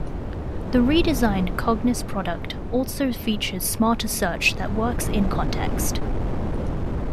The redesigned Cognos product also features smarter search that works in-context.